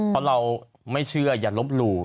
เพราะเราไม่เชื่ออย่าลบหลู่